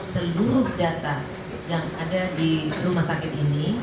seluruh data yang ada di rumah sakit ini